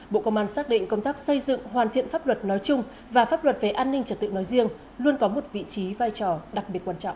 bộ công an xác định công tác xây dựng hoàn thiện pháp luật nói chung và pháp luật về an ninh trật tự nói riêng luôn có một vị trí vai trò đặc biệt quan trọng